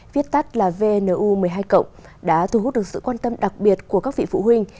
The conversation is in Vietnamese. viết tắt là vnu một mươi hai cộng đã thu hút được sự quan tâm đặc biệt của các vị phụ huynh